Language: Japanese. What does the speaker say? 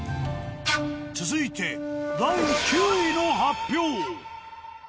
続いて第９位の発表。